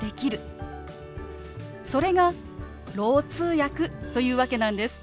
それがろう通訳というわけなんです。